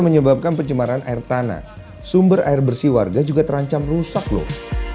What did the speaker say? menyebabkan pencemaran air tanah sumber air bersih warga juga terancam rusak loh